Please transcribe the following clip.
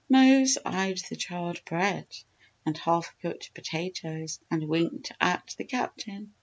Mose eyed the charred bread and half cooked potatoes and winked at the Captain.